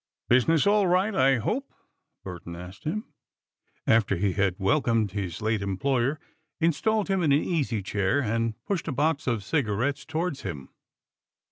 "Business all right, I hope?" Burton asked him, after he had welcomed his late employer, installed him in an easy chair and pushed a box of cigarettes towards him.